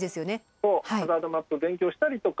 そうハザードマップ勉強したりとか。